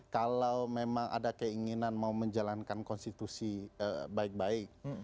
kalau memang ada keinginan mau menjalankan konstitusi baik baik